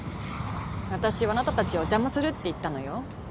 私あなたたちを邪魔するって言ったのよ。